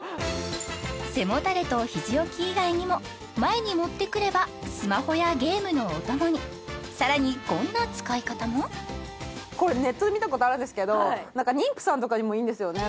背もたれとひじ置き以外にも前に持ってくればさらにこんな使い方もこれネットで見たことあるんですけど妊婦さんとかにもいいんですよね